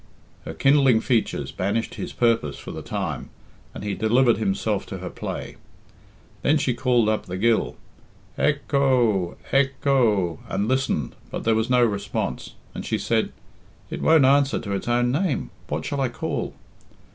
Her kindling features banished his purpose for the time, and he delivered himself to her play. Then she called up the gill, "Ec ho! Ec ho!" and listened, but there was no response, and she said, "It won't answer to its own name. What shall I call?"